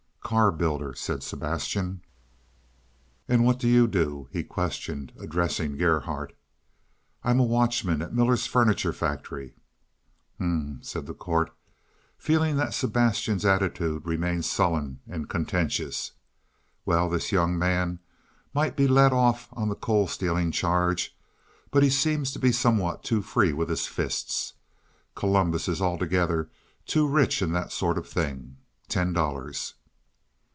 "Car builder," said Sebastian. "And what do you do?" he questioned, addressing Gerhardt. "I am watchman at Miller's furniture factory." "Um," said the court, feeling that Sebastian's attitude remained sullen and contentious. "Well, this young man might be let off on the coal stealing charge, but he seems to be somewhat too free with his fists. Columbus is altogether too rich in that sort of thing. Ten dollars."